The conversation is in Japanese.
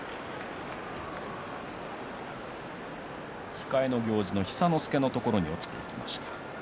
控えの行司の寿之介のところに落ちていきました。